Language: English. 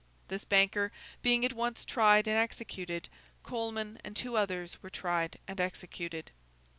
This banker, being at once tried and executed, Coleman and two others were tried and executed.